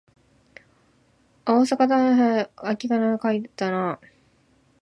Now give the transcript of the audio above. あおかさたなはさかえなかきあなかいたかあ